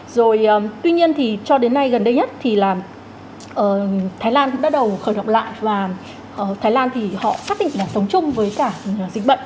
rồi tuy nhiên thì cho đến nay gần đây nhất thì là thái lan cũng bắt đầu khởi động lại và thái lan thì họ xác định là sống chung với cả dịch bệnh